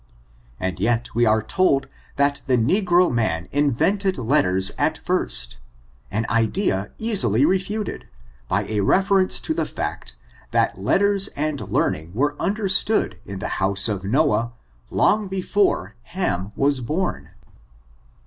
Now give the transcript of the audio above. and yet we are told that the negro man invented letters at first ; an idea easily refuted, by a reference to the fact, that letters and learning were understood in the house of Noah long before Ham was born.